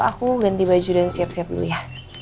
aku ganti baju dan siap siap dulu ya